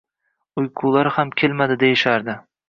Uyqulari ham kelmaydi, deyishardi.»